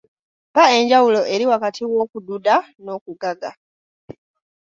Mpa enjawulo eri wakati w’okududa n’okugaga?